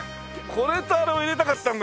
これとあれを入れたかったんだ。